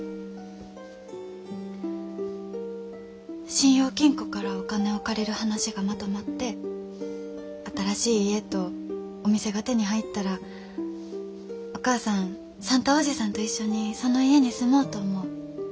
信用金庫からお金を借りる話がまとまって新しい家とお店が手に入ったらお母さん算太伯父さんと一緒にその家に住もうと思う。